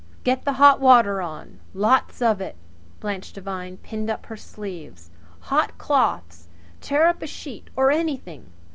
"Get the hot water on lots of it!" Blanche Devine pinned up her sleeves. "Hot cloths! Tear up a sheet or anything!